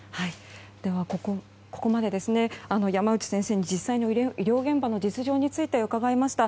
ここまで山内先生に実際の医療現場の実情について伺いました。